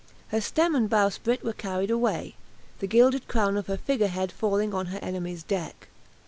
Her stem and bowsprit were carried away, the gilded crown of her figure head falling on her enemy's deck.